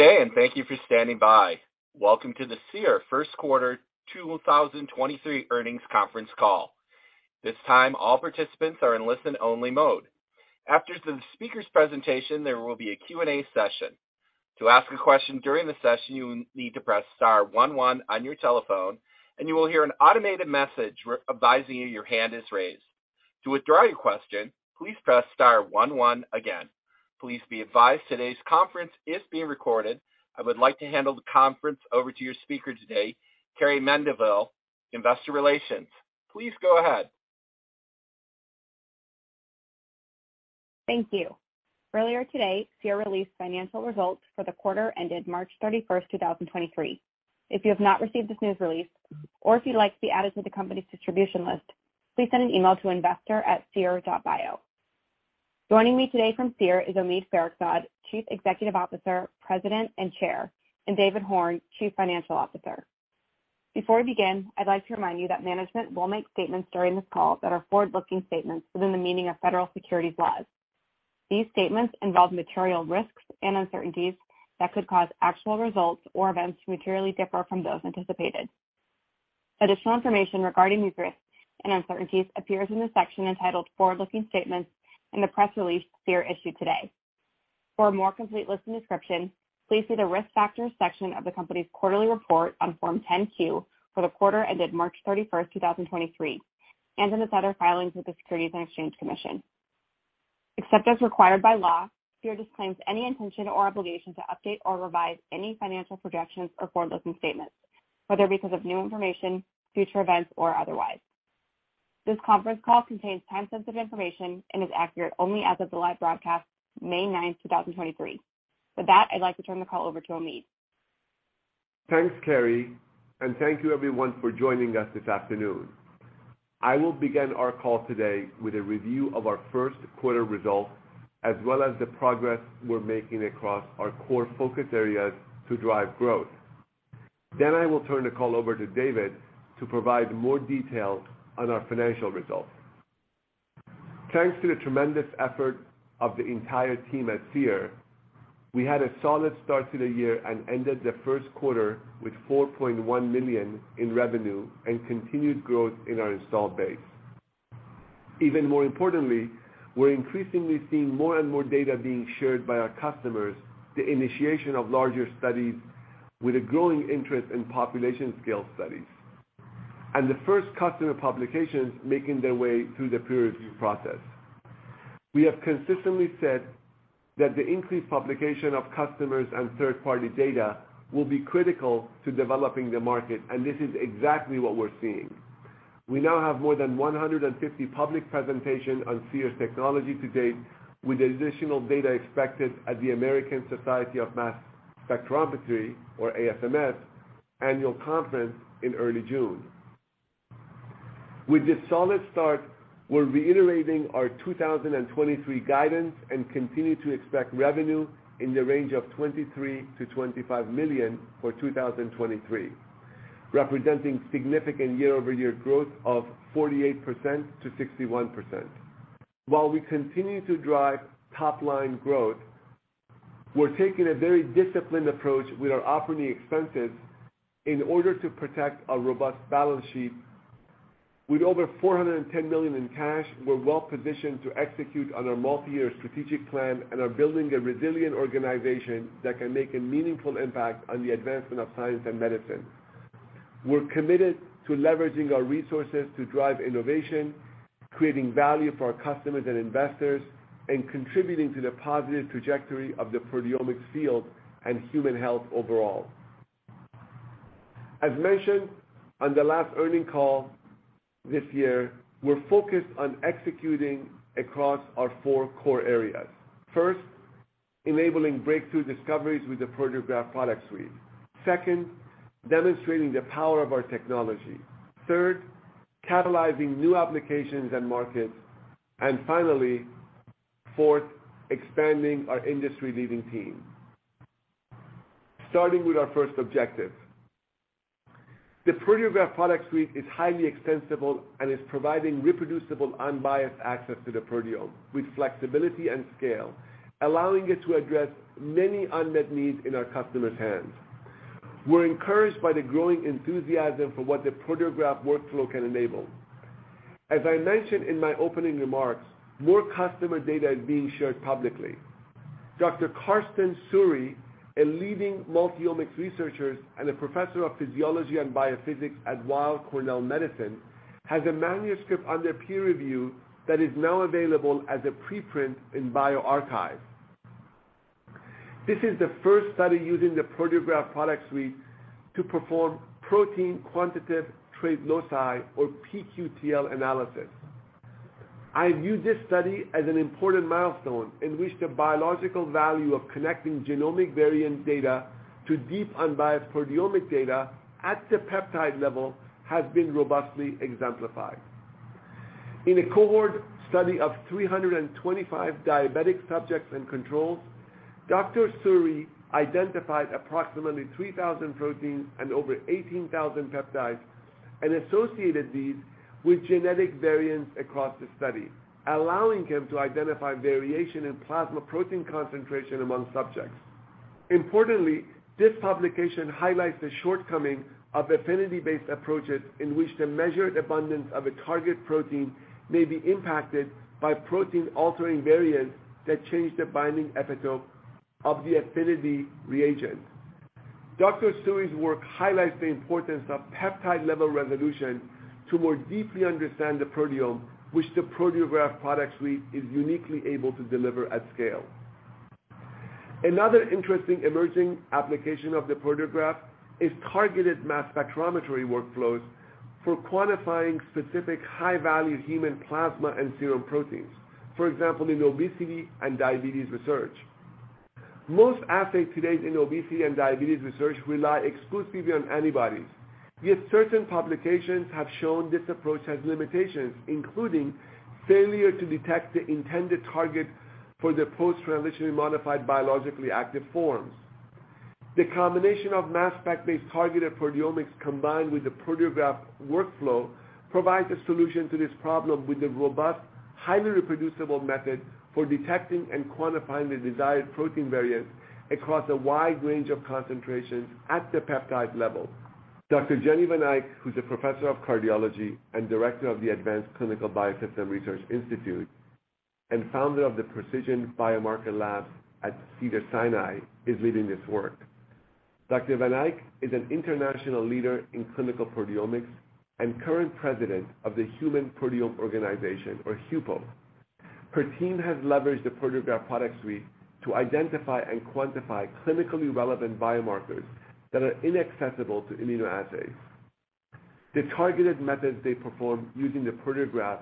Good day, thank you for standing by. Welcome to the Seer First Quarter 2023 Earnings Conference Call. This time, all participants are in listen-only mode. After the speaker's presentation, there will be a Q&A session. To ask a question during the session, you will need to press star one one on your telephone, you will hear an automated message advising you your hand is raised. To withdraw your question, please press star one one again. Please be advised today's conference is being recorded. I would like to handle the conference over to your speaker today, Carrie Mendivil, Investor Relations. Please go ahead. Thank you. Earlier today, Seer released financial results for the quarter ended March 31st, 2023. If you have not received this news release, or if you'd like to be added to the company's distribution list, please send an email to investor@seer.bio. Joining me today from Seer is Omid Farokhzad, Chief Executive Officer, President, and Chair, and David Horn, Chief Financial Officer. Before we begin, I'd like to remind you that management will make statements during this call that are forward-looking statements within the meaning of federal securities laws. These statements involve material risks and uncertainties that could cause actual results or events to materially differ from those anticipated. Additional information regarding these risks and uncertainties appears in the section entitled Forward-Looking Statements in the press release Seer issued today. For a more complete list and description, please see the Risk Factors section of the company's quarterly report on Form 10-Q for the quarter ended March 31st, 2023, and in the other filings with the Securities and Exchange Commission. Except as required by law, Seer disclaims any intention or obligation to update or revise any financial projections or forward-looking statements, whether because of new information, future events, or otherwise. This conference call contains time-sensitive information and is accurate only as of the live broadcast, May 9th, 2023. With that, I'd like to turn the call over to Omid. Thanks, Carrie. Thank you everyone for joining us this afternoon. I will begin our call today with a review of our first quarter results, as well as the progress we're making across our core focus areas to drive growth. I will turn the call over to David Horn to provide more detail on our financial results. Thanks to the tremendous effort of the entire team at Seer, we had a solid start to the year and ended the first quarter with $4.1 million in revenue and continued growth in our installed base. Even more importantly, we're increasingly seeing more and more data being shared by our customers, the initiation of larger studies with a growing interest in population scale studies, and the first customer publications making their way through the peer review process. We have consistently said that the increased publication of customers and third-party data will be critical to developing the market. This is exactly what we're seeing. We now have more than 150 public presentation on Seer's technology to-date, with additional data expected at the American Society for Mass Spectrometry, or ASMS, annual conference in early June. With this solid start, we're reiterating our 2023 guidance and continue to expect revenue in the range of $23 million-$25 million for 2023, representing significant year-over-year growth of 48%-61%. While we continue to drive top-line growth, we're taking a very disciplined approach with our operating expenses in order to protect our robust balance sheet. With over $410 million in cash, we're well-positioned to execute on our multi-year strategic plan and are building a resilient organization that can make a meaningful impact on the advancement of science and medicine. We're committed to leveraging our resources to drive innovation, creating value for our customers and investors, and contributing to the positive trajectory of the proteomics field and human health overall. As mentioned on the last earnings call this year, we're focused on executing across our four core areas. First, enabling breakthrough discoveries with the Proteograph Product Suite. Second, demonstrating the power of our technology. Third, catalyzing new applications and markets. Finally, fourth, expanding our industry-leading team. Starting with our first objective. The Proteograph Product Suite is highly extensible and is providing reproducible, unbiased access to the proteome with flexibility and scale, allowing it to address many unmet needs in our customers' hands. We're encouraged by the growing enthusiasm for what the Proteograph workflow can enable. As I mentioned in my opening remarks, more customer data is being shared publicly. Dr. Karsten Suhre, a leading multi-omics researcher and a Professor of Physiology and Biophysics at Weill Cornell Medicine, has a manuscript under peer review that is now available as a preprint in bioRxiv. This is the first study using the Proteograph Product Suite to perform protein quantitative trait loci, or pQTL analysis. I view this study as an important milestone in which the biological value of connecting genomic variant data to deep unbiased proteomic data at the peptide level has been robustly exemplified. In a cohort study of 325 diabetic subjects and controls, Dr. Suhre identified approximately 3,000 proteins and over 18,000 peptides. Associated these with genetic variants across the study, allowing him to identify variation in plasma protein concentration among subjects. Importantly, this publication highlights the shortcoming of affinity-based approaches in which the measured abundance of a target protein may be impacted by protein-altering variants that change the binding epitope of the affinity reagent. Dr. Suhre's work highlights the importance of peptide-level resolution to more deeply understand the proteome, which the Proteograph Product Suite is uniquely able to deliver at scale. Another interesting emerging application of the Proteograph is targeted mass spectrometry workflows for quantifying specific high-value human plasma and serum proteins, for example, in obesity and diabetes research. Most assays today in obesity and diabetes research rely exclusively on antibodies. Certain publications have shown this approach has limitations, including failure to detect the intended target for the post-translationally modified biologically active forms. The combination of mass spec-based targeted proteomics combined with the Proteograph workflow provides a solution to this problem with a robust, highly reproducible method for detecting and quantifying the desired protein variants across a wide range of concentrations at the peptide level. Dr. Jennifer Van Eyk, who's a professor of cardiology and Director of the Advanced Clinical Biosystems Research Institute and founder of the Precision Biomarker Laboratories at Cedars-Sinai, is leading this work. Dr. Van Eyk is an international leader in clinical proteomics and current President of the Human Proteome Organization or HUPO. Her team has leveraged the Proteograph Product Suite to identify and quantify clinically relevant biomarkers that are inaccessible to immunoassays. The targeted methods they perform using the Proteograph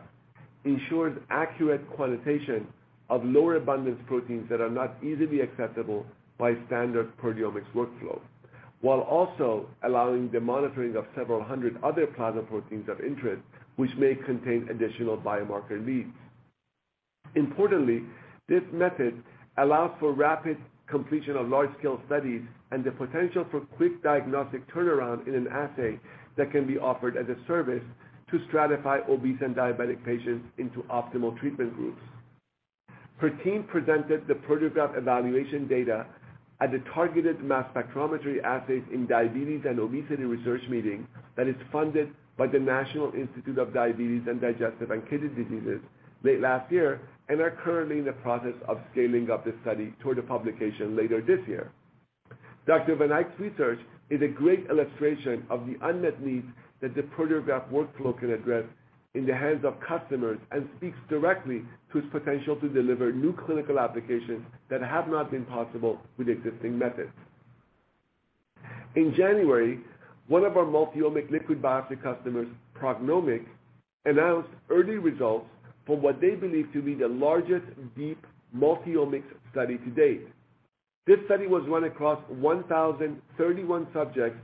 ensures accurate quantitation of lower abundance proteins that are not easily accessible by standard proteomics workflow, while also allowing the monitoring of several hundred other plasma proteins of interest, which may contain additional biomarker leads. Importantly, this method allows for rapid completion of large-scale studies and the potential for quick diagnostic turnaround in an assay that can be offered as a service to stratify obese and diabetic patients into optimal treatment groups. Her team presented the Proteograph evaluation data at the Targeted Mass Spectrometry Assays in Diabetes and Obesity research meeting that is funded by the National Institute of Diabetes and Digestive and Kidney Diseases late last year and are currently in the process of scaling up the study toward a publication later this year. Van Eyk's research is a great illustration of the unmet needs that the Proteograph workflow can address in the hands of customers and speaks directly to its potential to deliver new clinical applications that have not been possible with existing methods. In January, one of our multi-omic liquid biopsy customers, PrognomiQ, announced early results for what they believe to be the largest deep multi-omics study to date. This study was run across 1,031 subjects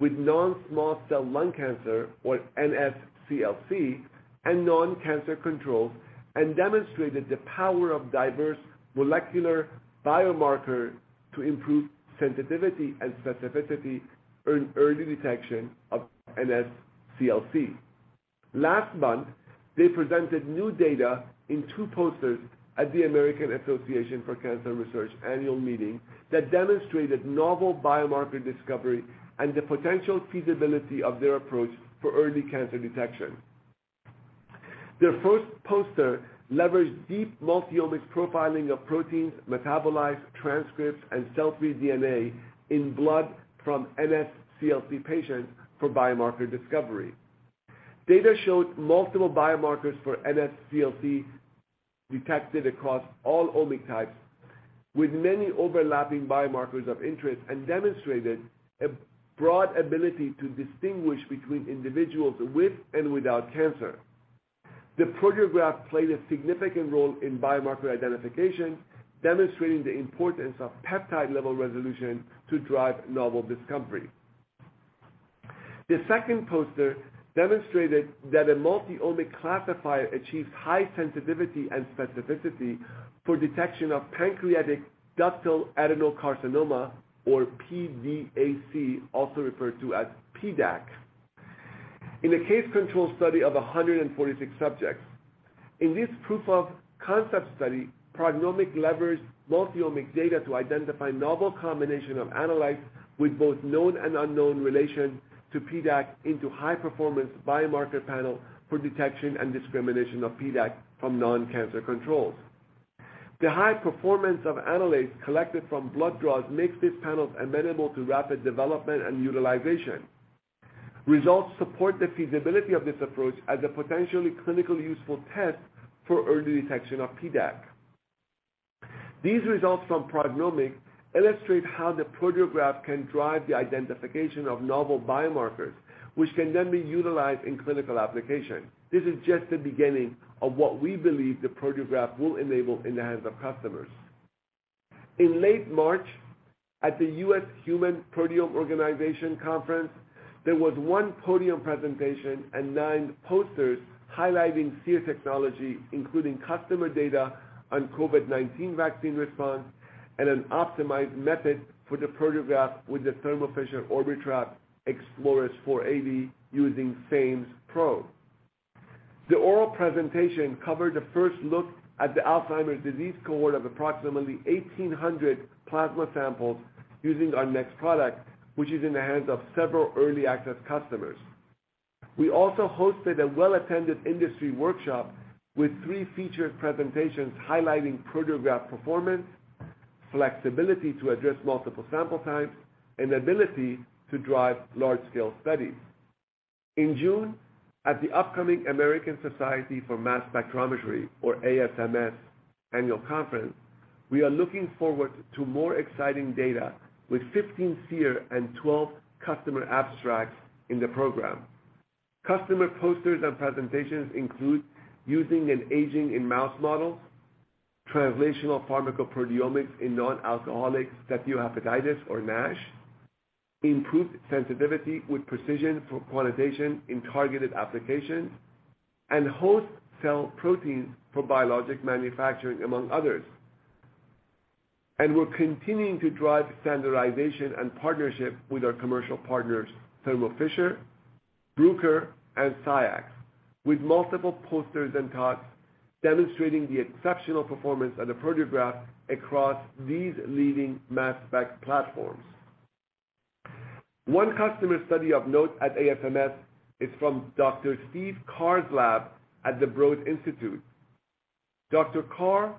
with non-small cell lung cancer, or NSCLC, and non-cancer controls, and demonstrated the power of diverse molecular biomarkers to improve sensitivity and specificity in early detection of NSCLC. Last month, they presented new data in two posters at the American Association for Cancer Research annual meeting that demonstrated novel biomarker discovery and the potential feasibility of their approach for early cancer detection. Their first poster leveraged deep multi-omics profiling of proteins, metabolites, transcripts, and cell-free DNA in blood from NSCLC patients for biomarker discovery. Data showed multiple biomarkers for NSCLC detected across all omic types, with many overlapping biomarkers of interest, and demonstrated a broad ability to distinguish between individuals with and without cancer. The Proteograph played a significant role in biomarker identification, demonstrating the importance of peptide level resolution to drive novel discovery. The second poster demonstrated that a multi-omic classifier achieves high sensitivity and specificity for detection of pancreatic ductal adenocarcinoma, or PDAC, also referred to as PDAC, in a case control study of 146 subjects. In this proof of concept study, PrognomiQ leveraged multi-omic data to identify novel combination of analytes with both known and unknown relation to PDAC into high-performance biomarker panel for detection and discrimination of PDAC from non-cancer controls. The high performance of analytes collected from blood draws makes these panels amenable to rapid development and utilization. Results support the feasibility of this approach as a potentially clinical useful test for early detection of PDAC. These results from PrognomiQ illustrate how the Proteograph can drive the identification of novel biomarkers, which can then be utilized in clinical application. This is just the beginning of what we believe the Proteograph will enable in the hands of customers. In late March, at the U.S. Human Proteome Organization Conference, there was one podium presentation and nine posters highlighting Seer technology, including customer data on COVID-19 vaccine response and an optimized method for the Proteograph with the Thermo Scientific Orbitrap Exploris 480 using FAIMS Pro. The oral presentation covered the first look at the Alzheimer's disease cohort of approximately 1,800 plasma samples using our next product, which is in the hands of several early access customers. We also hosted a well-attended industry workshop with three featured presentations highlighting Proteograph performance, flexibility to address multiple sample types, and ability to drive large-scale studies. In June, at the upcoming American Society for Mass Spectrometry, or ASMS, Annual Conference, we are looking forward to more exciting data with 15 Seer and 12 customer abstracts in the program. Customer posters and presentations include using an aging in mouse model, translational pharmacoproteomics in nonalcoholic steatohepatitis, or NASH, improved sensitivity with precision for quantitation in targeted applications, and host cell proteins for biologic manufacturing, among others. We're continuing to drive standardization and partnership with our commercial partners, Thermo Fisher, Bruker, and SCIEX, with multiple posters and talks demonstrating the exceptional performance of the Proteograph across these leading mass spec platforms. One customer study of note at ASMS is from Dr. Steve Carr's lab at the Broad Institute. Dr. Carr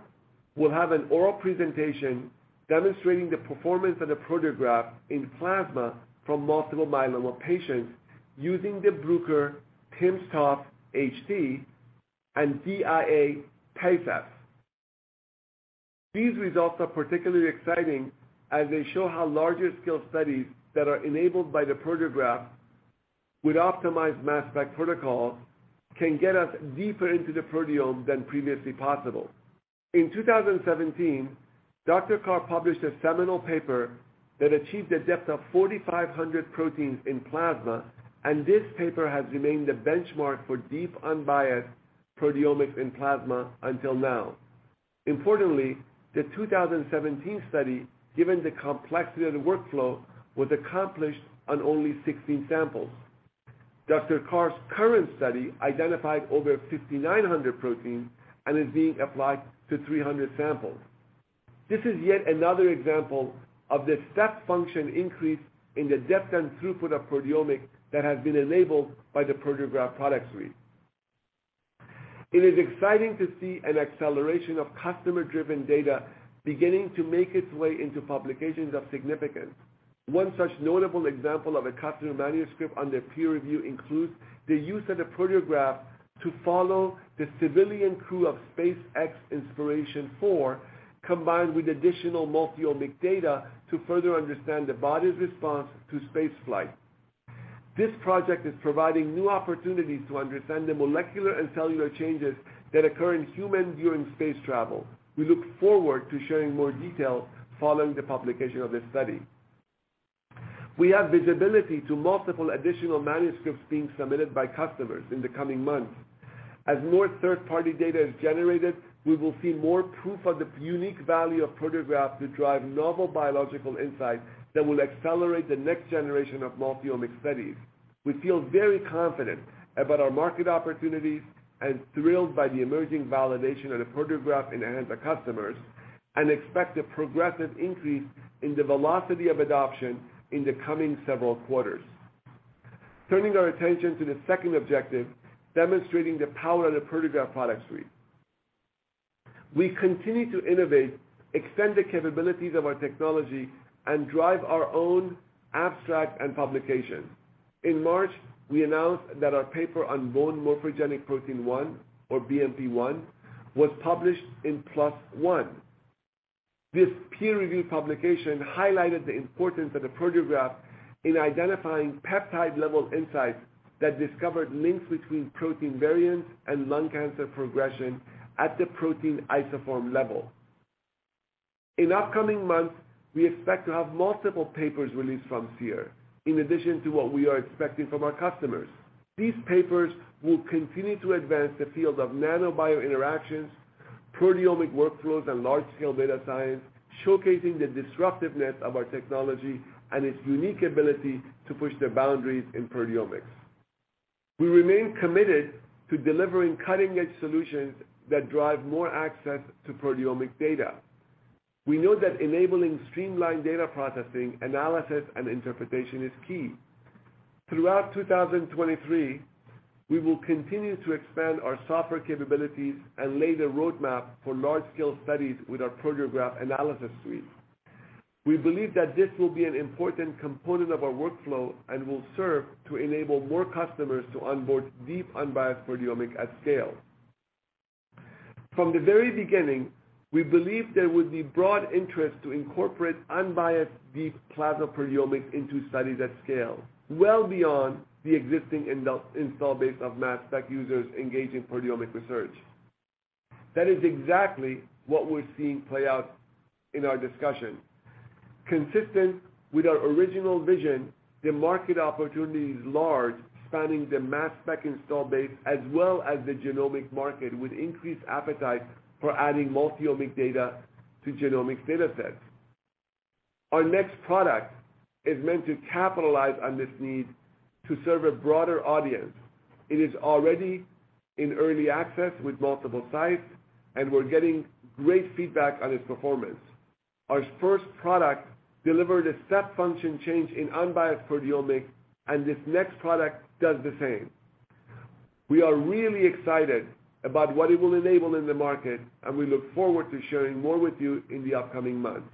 will have an oral presentation demonstrating the performance of the Proteograph in plasma from multiple myeloma patients using the Bruker timsTOF HT and dia-PASEF. These results are particularly exciting as they show how larger scale studies that are enabled by the Proteograph with optimized mass spec protocols can get us deeper into the proteome than previously possible. In 2017, Dr. Carr published a seminal paper that achieved a depth of 4,500 proteins in plasma. This paper has remained the benchmark for deep, unbiased proteomics in plasma until now. Importantly, the 2017 study, given the complexity of the workflow, was accomplished on only 16 samples. Dr. Carr's current study identified over 5,900 proteins and is being applied to 300 samples. This is yet another example of the step function increase in the depth and throughput of proteomics that has been enabled by the Proteograph Product Suite. It is exciting to see an acceleration of customer-driven data beginning to make its way into publications of significance. One such notable example of a customer manuscript under peer review includes the use of the Proteograph to follow the civilian crew of SpaceX Inspiration4, combined with additional multi-omic data to further understand the body's response to spaceflight. This project is providing new opportunities to understand the molecular and cellular changes that occur in humans during space travel. We look forward to sharing more details following the publication of this study. We have visibility to multiple additional manuscripts being submitted by customers in the coming months. As more third-party data is generated, we will see more proof of the unique value of Proteograph to drive novel biological insights that will accelerate the next generation of multi-omic studies. We feel very confident about our market opportunities and thrilled by the emerging validation of the Proteograph in the hands of customers and expect a progressive increase in the velocity of adoption in the coming several quarters. Turning our attention to the second objective, demonstrating the power of the Proteograph Product Suite. We continue to innovate, extend the capabilities of our technology, and drive our own abstract and publication. In March, we announced that our paper on bone morphogenetic protein 1, or BMP1, was published in PLOS One. This peer-reviewed publication highlighted the importance of the Proteograph in identifying peptide-level insights that discovered links between protein variants and lung cancer progression at the protein isoform level. In upcoming months, we expect to have multiple papers released from Seer, in addition to what we are expecting from our customers. These papers will continue to advance the field of nano-bio interactions, proteomic workflows, and large-scale data science, showcasing the disruptiveness of our technology and its unique ability to push the boundaries in proteomics. We remain committed to delivering cutting-edge solutions that drive more access to proteomic data. We know that enabling streamlined data processing, analysis, and interpretation is key. Throughout 2023, we will continue to expand our software capabilities and lay the roadmap for large-scale studies with our Proteograph Analysis Suite. We believe that this will be an important component of our workflow and will serve to enable more customers to onboard deep, unbiased proteomic at scale. From the very beginning, we believed there would be broad interest to incorporate unbiased, deep plasma proteomic into studies at scale, well beyond the existing install base of mass spec users engaged in proteomic research. That is exactly what we're seeing play out in our discussion. Consistent with our original vision, the market opportunity is large, spanning the mass spec install base as well as the genomic market, with increased appetite for adding multi-omic data to genomic data sets. Our next product is meant to capitalize on this need to serve a broader audience. It is already in early access with multiple sites, and we're getting great feedback on its performance. Our first product delivered a step function change in unbiased proteomics, and this next product does the same. We are really excited about what it will enable in the market, and we look forward to sharing more with you in the upcoming months.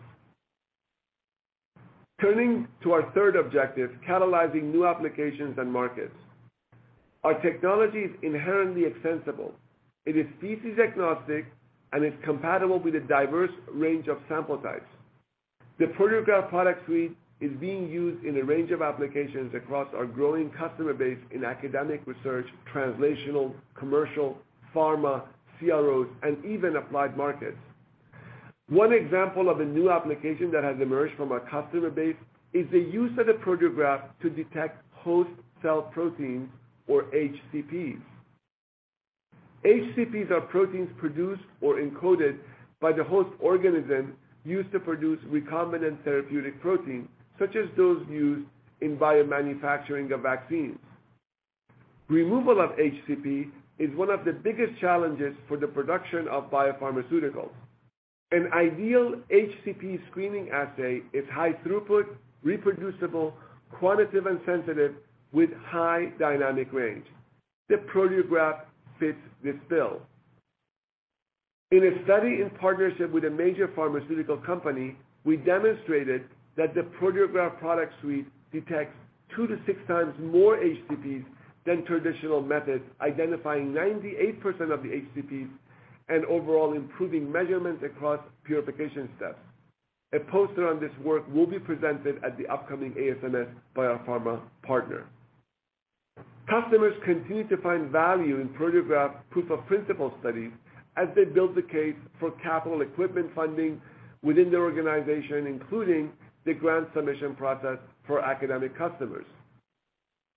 Turning to our third objective, catalyzing new applications and markets. Our technology is inherently extensible. It is species agnostic, and it's compatible with a diverse range of sample types. The Proteograph Product Suite is being used in a range of applications across our growing customer base in academic research, translational, commercial, pharma, CROs, and even applied markets. One example of a new application that has emerged from our customer base is the use of the Proteograph to detect host cell proteins or HCPs. HCPs are proteins produced or encoded by the host organism used to produce recombinant therapeutic proteins, such as those used in biomanufacturing of vaccines. Removal of HCP is one of the biggest challenges for the production of biopharmaceuticals. An ideal HCP screening assay is high throughput, reproducible, quantitative and sensitive with high dynamic range. The Proteograph fits this bill. In a study in partnership with a major pharmaceutical company, we demonstrated that the Proteograph Product Suite detects 2x-6x more HCPs than traditional methods, identifying 98% of the HCPs and overall improving measurements across purification steps. A poster on this work will be presented at the upcoming ASMS Biopharma Partner. Customers continue to find value in Proteograph proof of principle studies as they build the case for capital equipment funding within their organization, including the grant submission process for academic customers.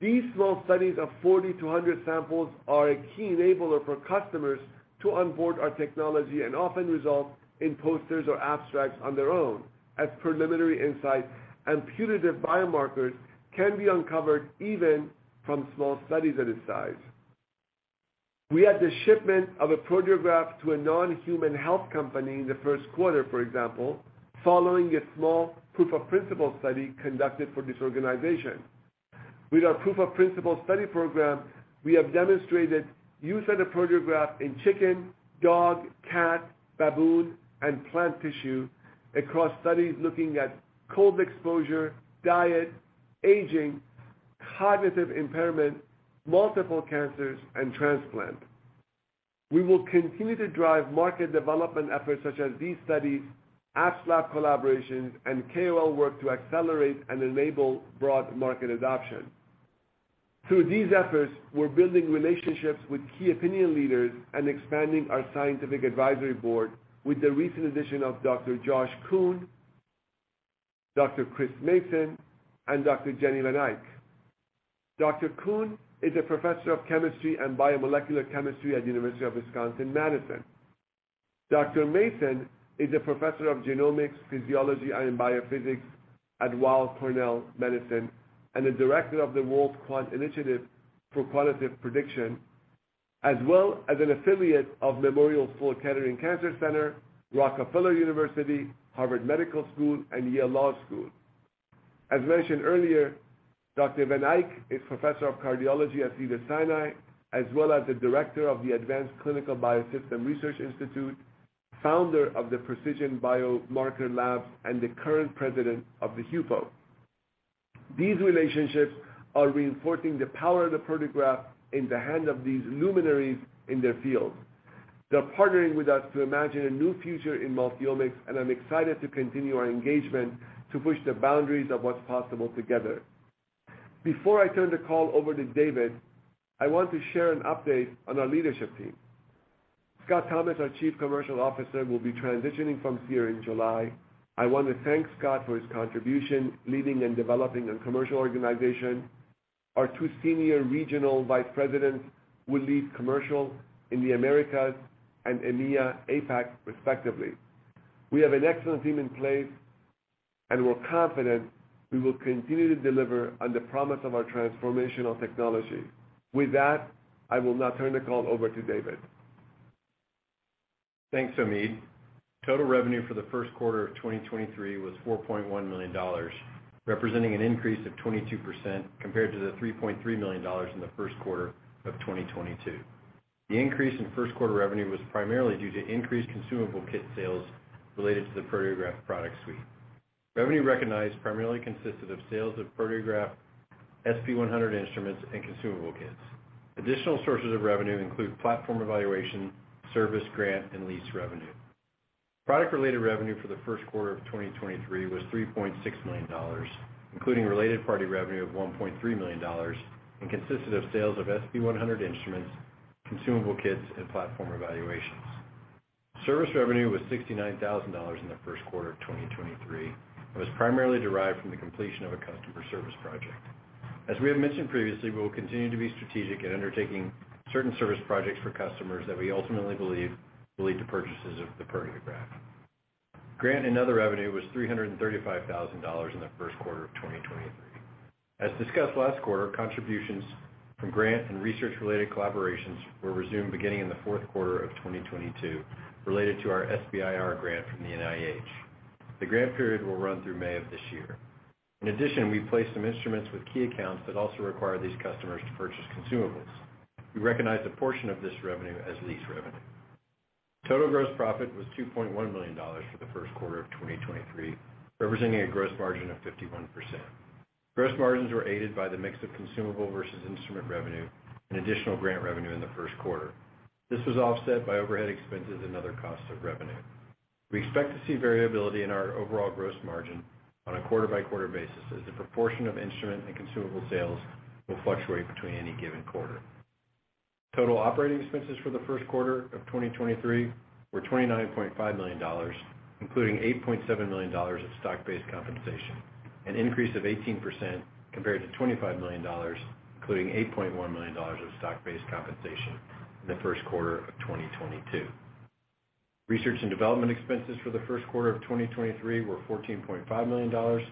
These small studies of 40-100 samples are a key enabler for customers to onboard our technology and often result in posters or abstracts on their own as preliminary insights and putative biomarkers can be uncovered even from small studies at its size. We had the shipment of a Proteograph to a non-human health company in the first quarter, for example, following a small proof of principle study conducted for this organization. With our proof of principle study program, we have demonstrated use of the Proteograph in chicken, dog, cat, baboon, and plant tissue across studies looking at cold exposure, diet, aging, cognitive impairment, multiple cancers, and transplant. We will continue to drive market development efforts such as these studies, apps lab collaborations, and KOL work to accelerate and enable broad market adoption. Through these efforts, we're building relationships with key opinion leaders and expanding our scientific advisory board with the recent addition of Dr. Josh Coon, Dr. Chris Mason, and Dr. Jenny Van Eyk. Dr. Coon is a professor of chemistry and biomolecular chemistry at University of Wisconsin–Madison. Mason is a professor of genomics, physiology, and biophysics at Weill Cornell Medicine, the director of the WorldQuant Initiative for Quantitative Prediction, as well as an affiliate of Memorial Sloan Kettering Cancer Center, Rockefeller University, Harvard Medical School, and Yale Law School. As mentioned earlier, Dr. Van Eyk is professor of cardiology at Cedars-Sinai, as well as the director of the Advanced Clinical Biosystems Research Institute, founder of the Precision Biomarker Lab, the current president of the HUPO. These relationships are reinforcing the power of the Proteograph in the hand of these luminaries in their field. They're partnering with us to imagine a new future in multi-omics, I'm excited to continue our engagement to push the boundaries of what's possible together. Before I turn the call over to David, I want to share an update on our leadership team. Scott Thomas, our chief commercial officer, will be transitioning from here in July. I want to thank Scott for his contribution, leading and developing a commercial organization. Our two senior regional vice presidents will lead commercial in the Americas and EMEA, APAC, respectively. We have an excellent team in place, and we're confident we will continue to deliver on the promise of our transformational technology. With that, I will now turn the call over to David. Thanks, Omid. Total revenue for the first quarter of 2023 was $4.1 million, representing an increase of 22% compared to the $3.3 million in the first quarter of 2022. The increase in first quarter revenue was primarily due to increased consumable kit sales related to the Proteograph Product Suite. Revenue recognized primarily consisted of sales of Proteograph, SP100 instruments, and consumable kits. Additional sources of revenue include platform evaluation, service grant, and lease revenue. Product-related revenue for the first quarter of 2023 was $3.6 million, including related party revenue of $1.3 million, and consisted of sales of SP100 instruments, consumable kits, and platform evaluations. Service revenue was $69,000 in the first quarter of 2023 and was primarily derived from the completion of a customer service project. As we have mentioned previously, we will continue to be strategic in undertaking certain service projects for customers that we ultimately believe will lead to purchases of the Proteograph. Grant and other revenue was $335,000 in the first quarter of 2023. As discussed last quarter, contributions from grant and research-related collaborations were resumed beginning in the fourth quarter of 2022 related to our SBIR grant from the NIH. The grant period will run through May of this year. In addition, we placed some instruments with key accounts that also require these customers to purchase consumables. We recognize a portion of this revenue as lease revenue. Total gross profit was $2.1 million for the first quarter of 2023, representing a gross margin of 51%. Gross margins were aided by the mix of consumable versus instrument revenue and additional grant revenue in the first quarter. This was offset by overhead expenses and other costs of revenue. We expect to see variability in our overall gross margin on a quarter-by-quarter basis as the proportion of instrument and consumable sales will fluctuate between any given quarter. Total operating expenses for the first quarter of 2023 were $29.5 million, including $8.7 million of stock-based compensation, an increase of 18% compared to $25 million, including $8.1 million of stock-based compensation in the first quarter of 2022. Research and development expenses for the first quarter of 2023 were $14.5 million,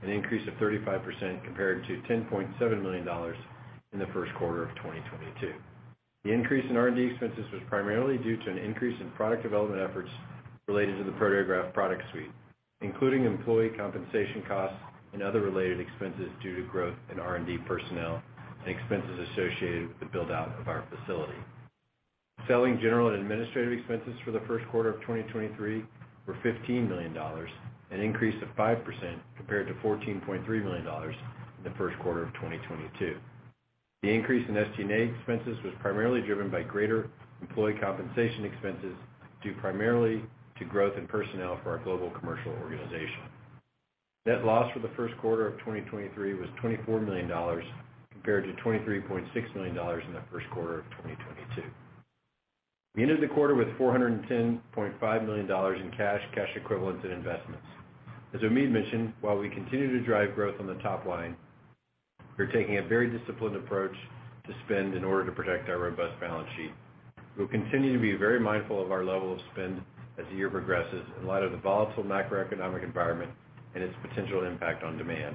an increase of 35% compared to $10.7 million in the first quarter of 2022. The increase in R&D expenses was primarily due to an increase in product development efforts related to the Proteograph Product Suite, including employee compensation costs and other related expenses due to growth in R&D personnel and expenses associated with the build-out of our facility. Selling, general, and administrative expenses for the first quarter of 2023 were $15 million, an increase of 5% compared to $14.3 million in the first quarter of 2022. The increase in SG&A expenses was primarily driven by greater employee compensation expenses, due primarily to growth in personnel for our global commercial organization. Net loss for the first quarter of 2023 was $24 million compared to $23.6 million in the first quarter of 2022. We ended the quarter with $410.5 million in cash equivalents, and investments. As Omid mentioned, while we continue to drive growth on the top line, we're taking a very disciplined approach to spend in order to protect our robust balance sheet. We'll continue to be very mindful of our level of spend as the year progresses in light of the volatile macroeconomic environment and its potential impact on demand.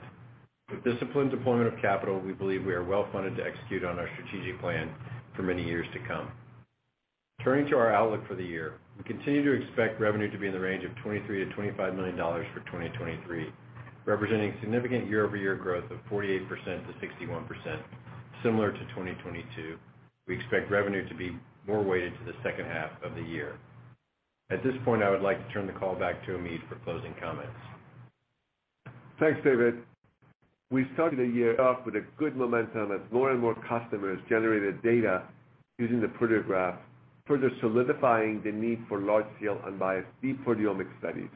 With disciplined deployment of capital, we believe we are well funded to execute on our strategic plan for many years to come. Turning to our outlook for the year, we continue to expect revenue to be in the range of $23 million-$25 million for 2023, representing significant year-over-year growth of 48%-61%. Similar to 2022, we expect revenue to be more weighted to the second half of the year. At this point, I would like to turn the call back to Omid for closing comments. Thanks, David. We started the year off with a good momentum as more and more customers generated data using the Proteograph, further solidifying the need for large-scale, unbiased deep proteomic studies.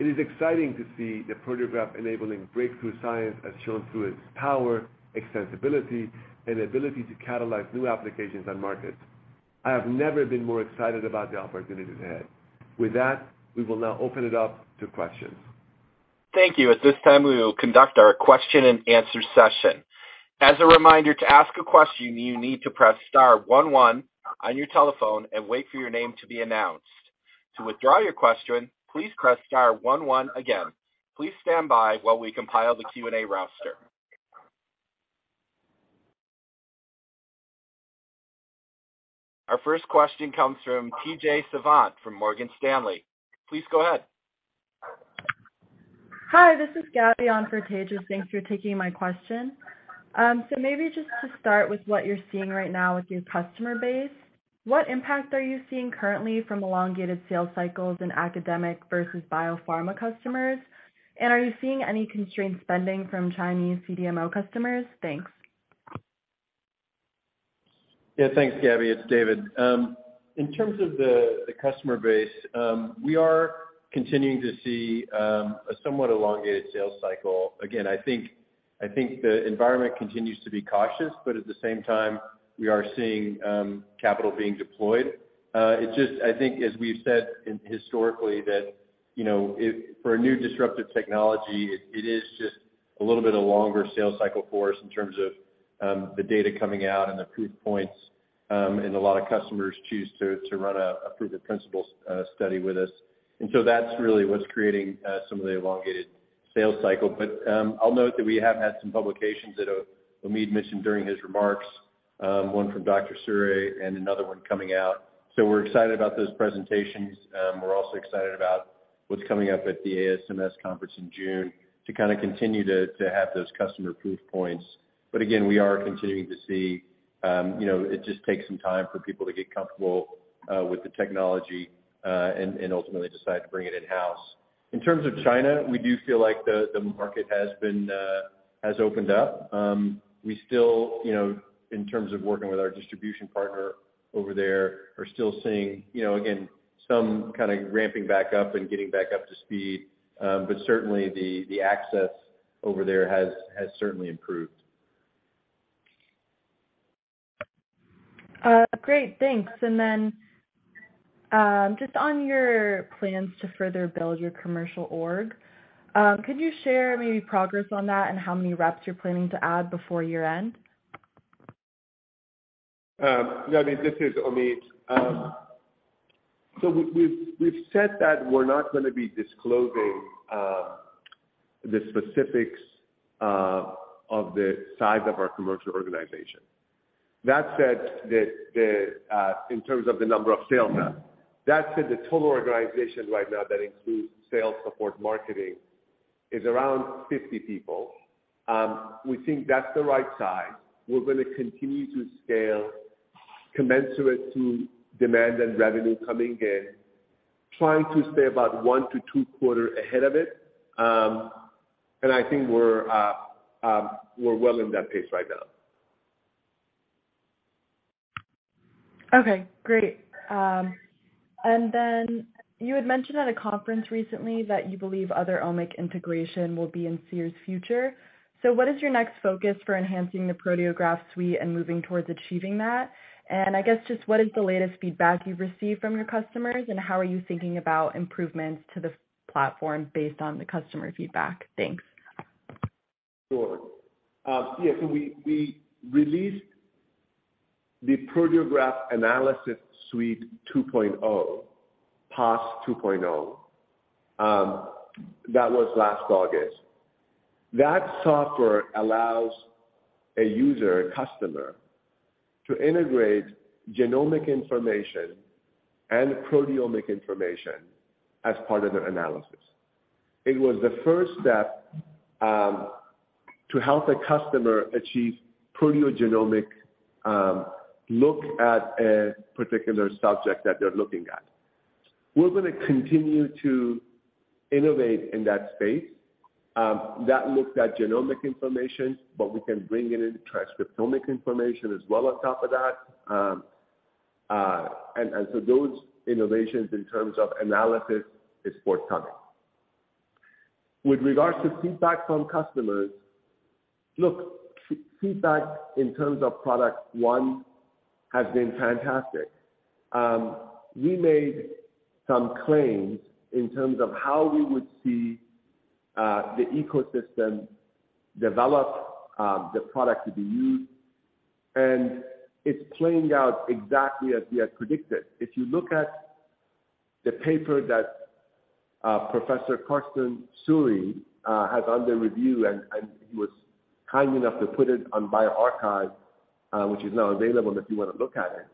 It is exciting to see the Proteograph enabling breakthrough science as shown through its power, extensibility, and ability to catalyze new applications and markets. I have never been more excited about the opportunities ahead. With that, we will now open it up to questions. Thank you. At this time, we will conduct our question-and-answer session. As a reminder, to ask a question, you need to press star one one on your telephone and wait for your name to be announced. To withdraw your question, please press star one one again. Please stand by while we compile the Q&A roster. Our first question comes from Tejas Savant from Morgan Stanley. Please go ahead. Hi, this is Gabby on for T.J. Thanks for taking my question. Maybe just to start with what you're seeing right now with your customer base, what impact are you seeing currently from elongated sales cycles in academic versus biopharma customers? Are you seeing any constrained spending from Chinese CDMO customers? Thanks. Thanks, Gabby. It's David. In terms of the customer base, we are continuing to see a somewhat elongated sales cycle. I think the environment continues to be cautious, at the same time, we are seeing capital being deployed. I think as we've said historically that, you know, for a new disruptive technology, it is just a little bit of longer sales cycle for us in terms of the data coming out and the proof points, a lot of customers choose to run a proof of principle study with us. That's really what's creating some of the elongated sales cycle. I'll note that we have had some publications that Omid mentioned during his remarks, one from Dr. Suhre and another one coming out. We are excited about those presentations. We are also excited about what's coming up at the ASMS conference in June to kind of continue to have those customer proof points. Again, we are continuing to see, you know, it just takes some time for people to get comfortable with the technology and ultimately decide to bring it in-house. In terms of China, we do feel like the market has been opened up. We still, you know, in terms of working with our distribution partner over there, are still seeing, you know, again, some kind of ramping back up and getting back up to speed. Certainly the access over there has certainly improved. Great, thanks. Just on your plans to further build your commercial org, could you share maybe progress on that and how many reps you're planning to add before year-end? Gabby, this is Omid. We've said that we're not gonna be disclosing the specifics of the size of our commercial organization. That said, in terms of the number of sales now. That said, the total organization right now that includes sales support marketing is around 50 people. We think that's the right size. We're gonna continue to scale commensurate to demand and revenue coming in, trying to stay about one to two quarter ahead of it. I think we're well in that pace right now. Okay, great. Then you had mentioned at a conference recently that you believe other -omic integration will be in Seer's future. What is your next focus for enhancing the Proteograph suite and moving towards achieving that? I guess just what is the latest feedback you've received from your customers, and how are you thinking about improvements to the platform based on the customer feedback? Thanks. Sure. Yeah. We released the Proteograph Analysis Suite 2.0, PAS 2.0. That was last August. That software allows a user, a customer, to integrate genomic information and proteomic information as part of their analysis. It was the first step to help a customer achieve proteogenomic look at a particular subject that they're looking at. We're gonna continue to innovate in that space that looks at genomic information, but we can bring in transcriptomic information as well on top of that. Those innovations in terms of analysis is forthcoming. With regards to feedback from customers. Look, feedback in terms of product 1 has been fantastic. We made some claims in terms of how we would see the ecosystem develop, the product to be used, and it's playing out exactly as we had predicted. If you look at the paper that Professor Karsten Suhre has under review and he was kind enough to put it on bioRxiv, which is now available if you wanna look at it.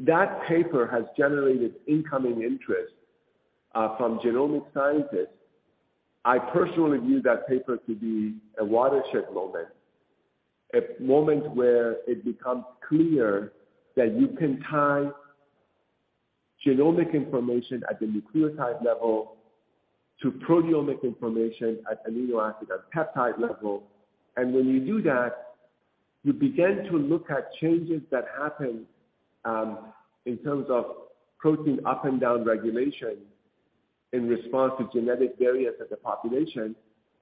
That paper has generated incoming interest from genomic scientists. I personally view that paper to be a watershed moment. A moment where it becomes clear that you can tie genomic information at the nucleotide level to proteomic information at amino acid and peptide level. When you do that, you begin to look at changes that happen in terms of protein up and down regulation in response to genetic variants of the population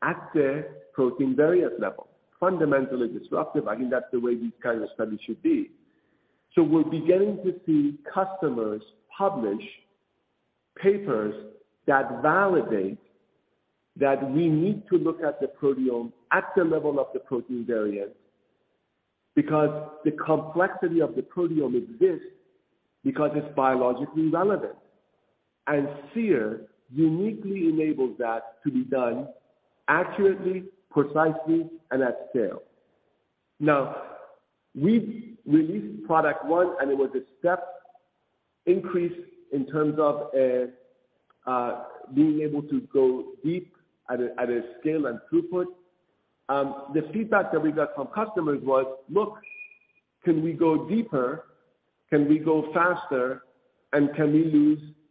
at the protein variant level. Fundamentally disruptive, I think that's the way these kind of studies should be. We're beginning to see customers publish papers that validate that we need to look at the proteome at the level of the protein variant because the complexity of the proteome exists because it's biologically relevant. Seer uniquely enables that to be done accurately, precisely, and at scale. We released product one, and it was a step increase in terms of being able to go deep at a scale and throughput. The feedback that we got from customers was, "Look, can we go deeper? Can we go faster? And can we use smaller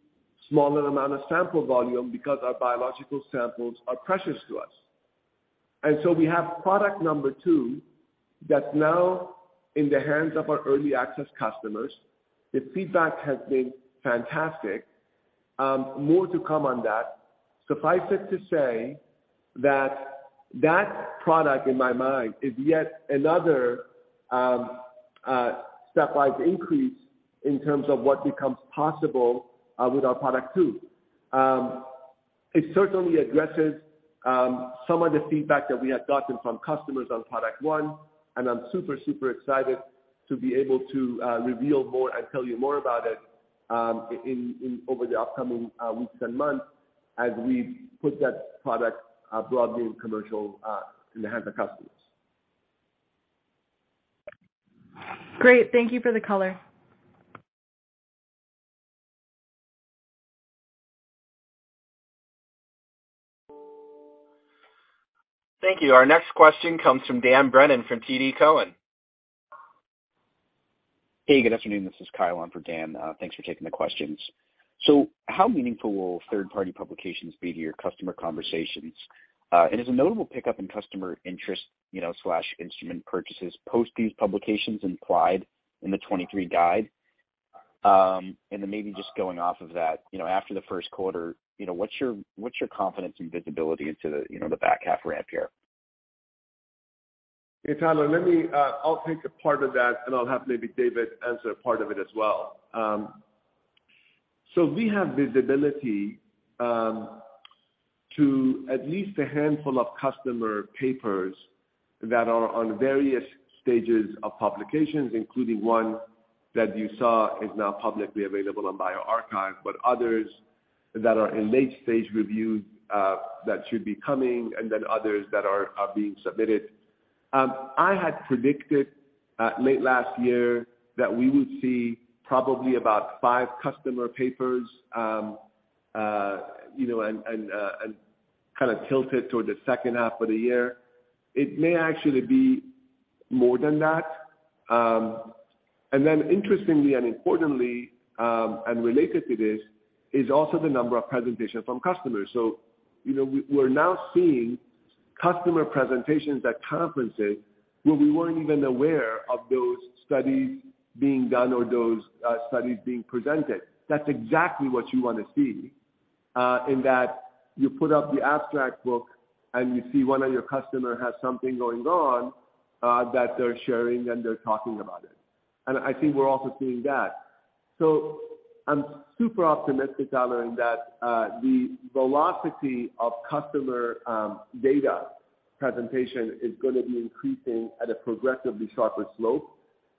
amount of sample volume because our biological samples are precious to us?" We have product two that's now in the hands of our early access customers. The feedback has been fantastic. More to come on that. Suffice it to say that that product in my mind is yet another, stepwise increase in terms of what becomes possible with our product two. It certainly addresses some of the feedback that we have gotten from customers on product one, and I'm super excited to be able to reveal more and tell you more about it over the upcoming weeks and months as we put that product broadly in commercial in the hands of customers. Great. Thank you for the color. Thank you. Our next question comes from Dan Brennan from TD Cowen. Hey, good afternoon. This is Kyle on for Dan. Thanks for taking the questions. How meaningful will third-party publications be to your customer conversations? Is a notable pickup in customer interest, you know, slash instrument purchases post these publications implied in the 2023 guide? Maybe just going off of that, you know, after the first quarter, you know, what's your confidence and visibility into the, you know, the back half ramp here? Hey, Kyle, let me, I'll take a part of that, and I'll have maybe David answer part of it as well. We have visibility to at least a handful of customer papers that are on various stages of publications, including one that you saw is now publicly available on bioRxiv, but others that are in late-stage review that should be coming, and then others that are being submitted. I had predicted late last year that we would see probably about five customer papers, you know, and kinda tilted toward the second half of the year. It may actually be more than that. Then interestingly and importantly, and related to this is also the number of presentations from customers. You know, we're now seeing customer presentations at conferences where we weren't even aware of those studies being done or those studies being presented. That's exactly what you wanna see in that you put up the abstract book, and you see one of your customer has something going on that they're sharing, and they're talking about it. I think we're also seeing that. I'm super optimistic, Kyle, in that the velocity of customer data presentation is gonna be increasing at a progressively sharper slope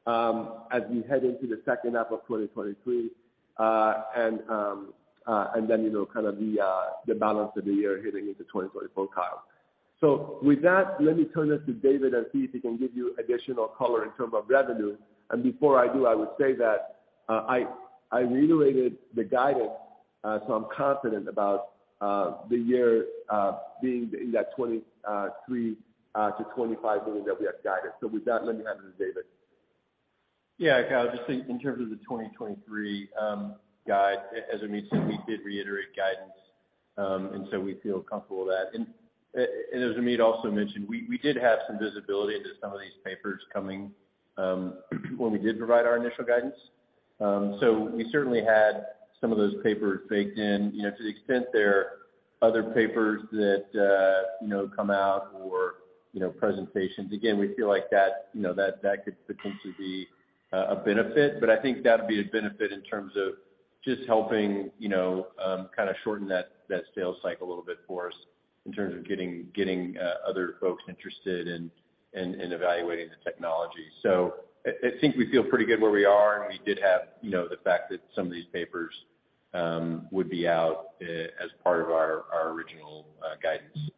as we head into the second half of 2023, and then, you know, kind of the balance of the year heading into 2024, Kyle. With that, let me turn this to David and see if he can give you additional color in terms of revenue. Before I do, I would say that, I reiterated the guidance, so I'm confident about the year being in that $23 million-$25 million that we have guided. With that, let me hand it to David. Yeah, Kyle, just in terms of the 2023 guide, as Amit said, we did reiterate guidance. We feel comfortable with that. As Amit also mentioned, we did have some visibility into some of these papers coming when we did provide our initial guidance. We certainly had some of those papers baked in. You know, to the extent there are other papers that, you know, come out or, you know, presentations, again, we feel like that, you know, that could potentially be a benefit. I think that'd be a benefit in terms of just helping, you know, kinda shorten that sales cycle a little bit for us in terms of getting other folks interested in evaluating the technology. I think we feel pretty good where we are, and we did have, you know, the fact that some of these papers would be out, as part of our original guidance.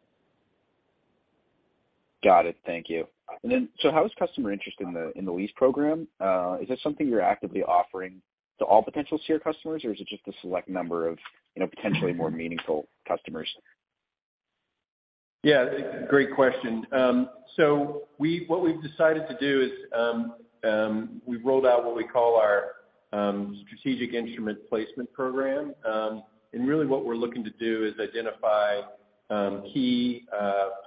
Got it. Thank you. How is customer interest in the lease program? Is this something you're actively offering to all potential Seer customers, or is it just a select number of, you know, potentially more meaningful customers? Yeah. Great question. What we've decided to do is we've rolled out what we call our strategic instrument placement program. Really what we're looking to do is identify key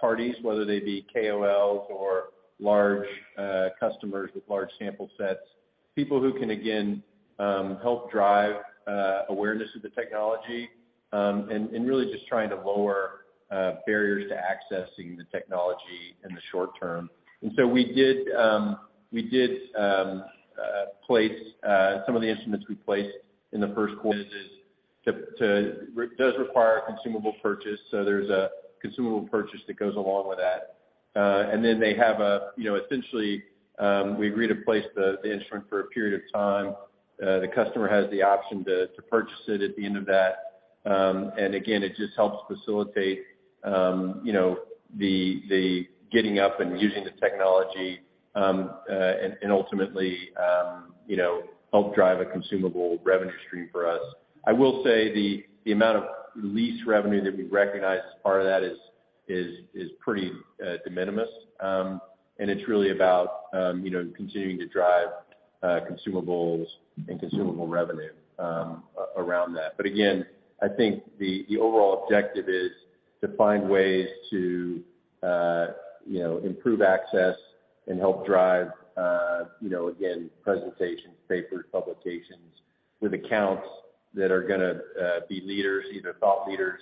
parties, whether they be KOLs or large customers with large sample sets, people who can again help drive awareness of the technology, and really just trying to lower barriers to accessing the technology in the short term. We did place some of the instruments we placed in the first quarter. It does require a consumable purchase, so there's a consumable purchase that goes along with that. Then they have a, you know, essentially, we agree to place the instrument for a period of time. The customer has the option to purchase it at the end of that. Again, it just helps facilitate, you know, the getting up and using the technology, and ultimately, you know, help drive a consumable revenue stream for us. I will say the amount of lease revenue that we recognize as part of that is pretty de minimis. It's really about, you know, continuing to drive consumables and consumable revenue around that. Again, I think the overall objective is to find ways to, you know, improve access and help drive, you know, again, presentations, papers, publications with accounts that are gonna be leaders, either thought leaders,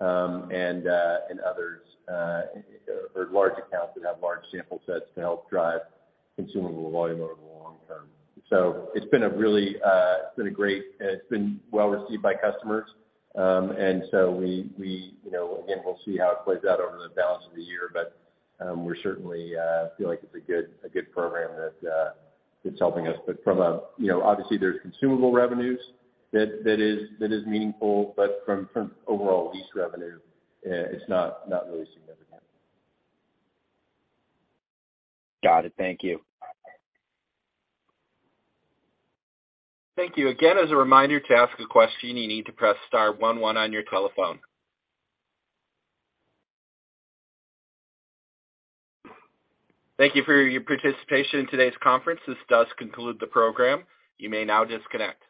and others, or large accounts that have large sample sets to help drive consumable volume over the long term. It's been a really. It's been well received by customers. We, you know, again, we'll see how it plays out over the balance of the year, but we're certainly feel like it's a good program that is helping us. From a, you know, obviously there's consumable revenues that is meaningful, but from overall lease revenue, it's not really significant. Got it. Thank you. Thank you. Again, as a reminder, to ask a question, you need to press star one one on your telephone. Thank you for your participation in today's conference. This does conclude the program. You may now disconnect.